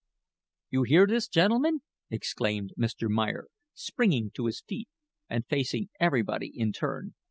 "You hear this, gentlemen," exclaimed Mr. Meyer, springing to his feet and facing everybody in turn.